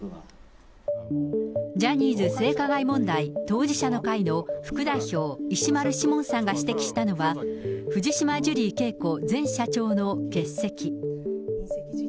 ジャニーズ性加害問題当事者の会の副代表、石丸志門さんが指摘したのは、藤島ジュリー景子前社長の欠席。